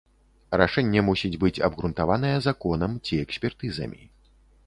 Рашэнне мусіць быць абгрунтаванае законам ці экспертызамі.